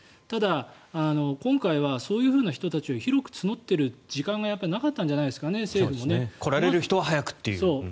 ただ、今回はそういう人たちを広く募っている時間が政府もなかったんじゃないですかね。来られる人は早くという。